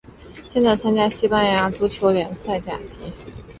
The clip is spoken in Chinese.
现在参加西班牙足球甲级联赛。